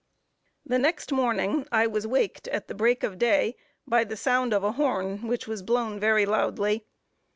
The next morning I was waked, at the break of day, by the sound of a horn, which was blown very loudly.